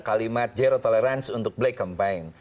kalimat zero tolerance untuk black campaign